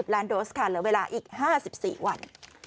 ล้านโดสค่ะเหลือเวลาอีก๕๔วัน